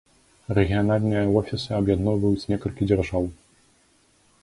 Рэгіянальныя офісы аб'ядноўваюць некалькі дзяржаў.